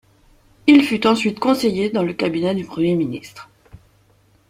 Il fut ensuite conseiller dans le cabinet du premier ministre.